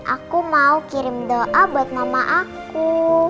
aku mau kirim doa buat mama aku